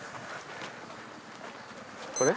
これ？